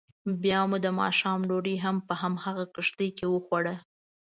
بیا مو دماښام ډوډۍ هم په همغه کښتۍ کې وخوړه.